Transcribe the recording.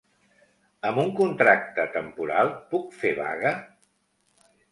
Amb un contracte temporal puc fer vaga?